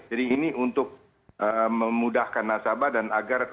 jadi ini untuk memudahkan nasabah dan agar nasabah